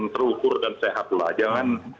terukur dan sehatlah jangan